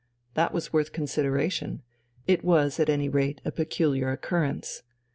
That was worth consideration, it was at any rate a peculiar occurrence.